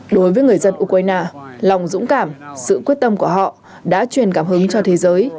đối với người dân ukraine lòng dũng cảm sự quyết tâm của họ đã truyền cảm hứng cho thế giới